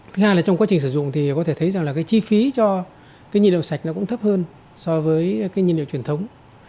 thứ hai là trong quá trình sử dụng thì có thể thấy rằng là cái chi phí cho cái nhiên liệu sạch nó cũng thấp hơn so với cái nhiên liệu truyền thống